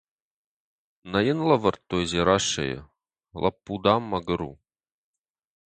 Нӕ йын лӕвӕрдтой Дзерассӕйы — лӕппу, дам, мӕгуыр у.